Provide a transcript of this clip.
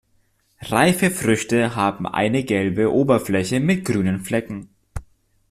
Reife Früchte haben eine gelbe Oberfläche mit grünen Flecken.